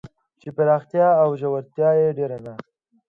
چې پراختیا او ژورتیا یې ډېر نه